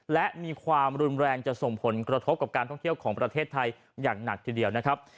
และมีความรุนแรงจะส่งผลกระทบกับการท่องเที่ยวของประเทศไทยอย่างหนักทีเดียวนะครับ